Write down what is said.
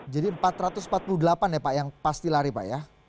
jadi empat ratus empat puluh delapan ya pak yang pasti lari pak ya